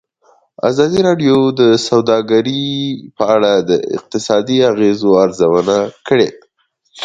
ازادي راډیو د سوداګري په اړه د اقتصادي اغېزو ارزونه کړې.